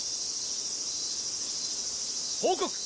報告！